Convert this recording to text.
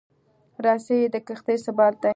رسۍ د کښتۍ ثبات دی.